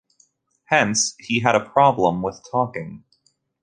Hence he had a problem with talking.